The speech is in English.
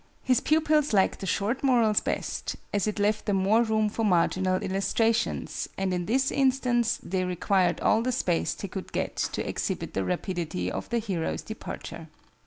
His pupils liked the short morals best, as it left them more room for marginal illustrations, and in this instance they required all the space they could get to exhibit the rapidity of the hero's departure.